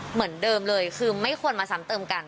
เหมือนเดิมเลยคือไม่ควรมาซ้ำเติมกัน